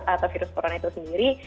atau virus corona itu sendiri